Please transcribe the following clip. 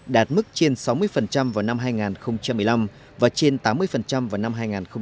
đạt mức trên sáu mươi vào năm hai nghìn một mươi năm và trên tám mươi vào năm hai nghìn hai mươi